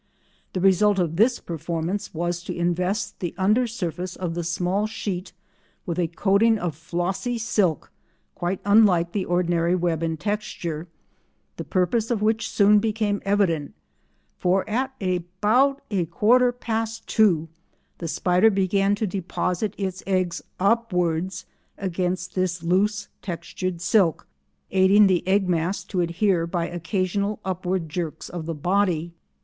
The result of this performance was to invest the under surface of the small sheet with a coating of flossy silk quite unlike the ordinary web in texture, the purpose of which soon became evident, for at about a quarter past two the spider began to deposit its eggs upwards, against this loose textured silk, aiding the egg mass to adhere by occasional upward jerks of the body.